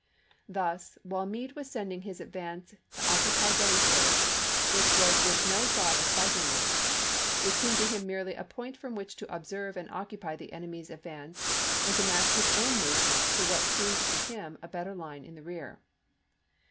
Thus while Meade was sending his advance to occupy Gettysburg, it was with no thought of fighting there; it seemed to him merely a point from which to observe and occupy the enemy's advance and to mask his own movement to what seemed to him a better line in the rear.